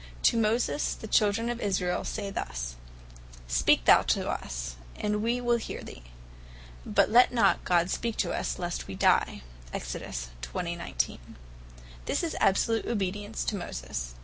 To Moses, the children of Israel say thus. (Exod. 20. 19) "Speak thou to us, and we will heare thee; but let not God speak to us, lest we dye." This is absolute obedience to Moses.